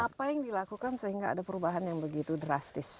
apa yang dilakukan sehingga ada perubahan yang begitu drastis